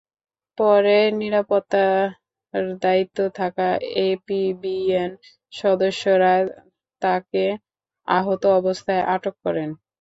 পরে নিরাপত্তার দায়িত্বে থাকা এপিবিএন সদস্যরা তাঁকে আহত অবস্থায় আটক করেন।